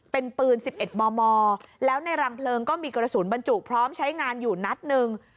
เป็นปืน๑๑มมแล้วในรังเพลิงก็มีกระสุนบรรจุพร้อมใช้งานอยู่นัดหนึ่ง